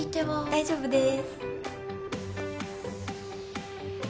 大丈夫です。